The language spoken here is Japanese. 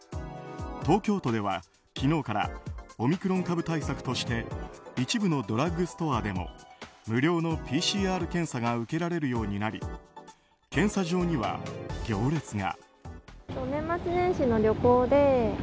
東京都では昨日からオミクロン株対策として一部のドラッグストアでも無料のＰＣＲ検査が受けられるようになり検査場には行列が。